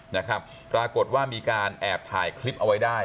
นะครับปรากฏว่ามีการแอบถ่ายคลิปเอาไว้ได้